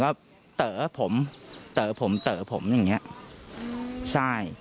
พูดกับผมก็เต๋อผมเต๋อผมเต๋อผมอย่างนี้ใช่